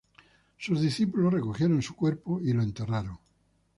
Sus discípulos recogieron su cuerpo y lo enterraron.